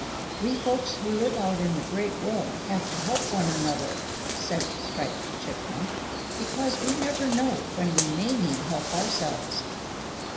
"We folks who live out in the Great World have to help one another," said Striped Chipmunk, "because we never know when we may need help ourselves.